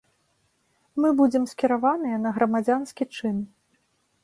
Мы будзем скіраваныя на грамадзянскі чын.